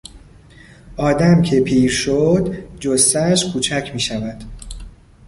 آدم که پیر شد جثهاش کوچک میشود.